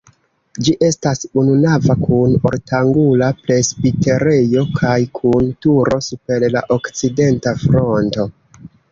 Ĝi estas ununava kun ortangula presbiterejo kaj kun turo super la okcidenta fronto.